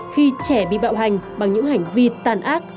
khi trẻ bị bạo hành bằng những hành vi tàn ác